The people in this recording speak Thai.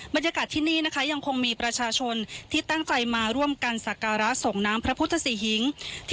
บรรยากาศที่นี่นะคะยังคงมีประชาชนที่ตั้งใจมาร่วมกันสักการะส่งน้ำพระพุทธศรีหิง